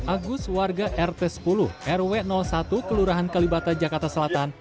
agus warga rt sepuluh rw satu kelurahan kalibata jakarta selatan